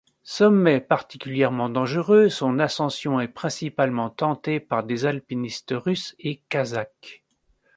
Sommet particulièrement dangereux, son ascension est principalement tentée par des alpinistes russes et kazakhs.